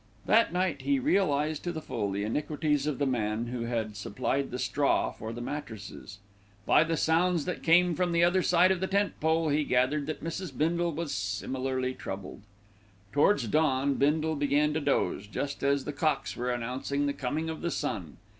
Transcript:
That night, he realised to the full the iniquities of the man who had supplied the straw for the mattresses. By the sounds that came from the other side of the tent pole, he gathered that Mrs. Bindle was similarly troubled. Towards dawn, Bindle began to doze, just as the cocks were announcing the coming of the sun.